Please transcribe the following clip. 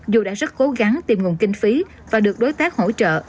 dù đã rất cố gắng tìm nguồn kinh phí và được đối tác hỗ trợ